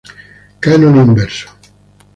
Canone inverso